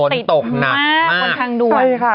คนตกหนักมาก